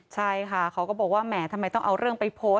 ใช่ค่ะเขาก็บอกว่าแหมทำไมต้องเอาเรื่องไปโพสต์